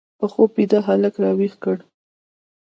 په خوب بیده هلک راویښ کړ